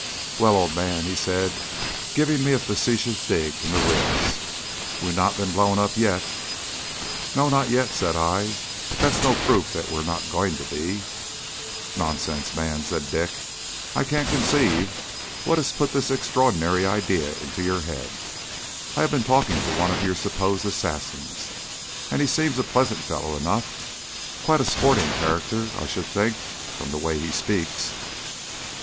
"Well, old man," he said, giving me a facetious dig in the ribs, "we've not been blown up yet." "No, not yet," said I; "but that's no proof that we are not going to be." "Nonsense, man!" said Dick; "I can't conceive what has put this extraordinary idea into your head. I have been talking to one of your supposed assassins, and he seems a pleasant fellow enough; quite a sporting character, I should think, from the way he speaks."